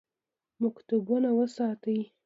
مکتبونه وساتئ